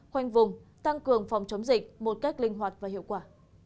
khoanh vùng tăng cường phòng chống dịch một cách linh hoạt và hiệu quả